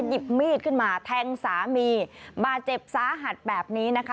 หยิบมีดขึ้นมาแทงสามีบาดเจ็บสาหัสแบบนี้นะคะ